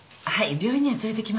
病院には連れていきました。